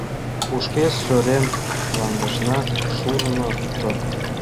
Кушкеш сӧрем мландешна шурно ток.